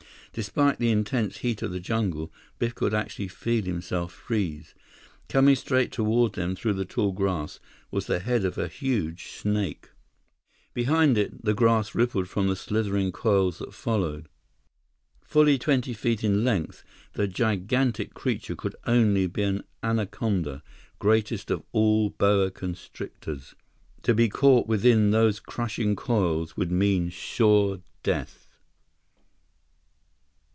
Despite the intense heat of the jungle, Biff could actually feel himself freeze. Coming straight toward them through the tall grass was the head of a huge snake! Behind it, the grass rippled from the slithering coils that followed. Fully twenty feet in length, the gigantic creature could only be an anaconda, greatest of all boa constrictors. To be caught within those crushing coils would mean sure death!